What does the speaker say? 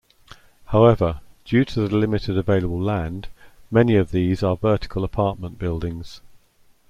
However, due to the limited available land, many of these are vertical apartment buildings.